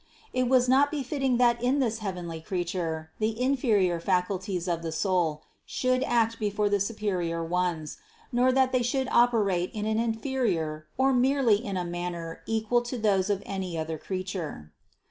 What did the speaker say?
It was not befitting that in this heavenly Creature the inferior faculties of the soul should act before the su perior ones, nor that they should operate in an inferior, or merely in a manner equal to those of any other crea ture.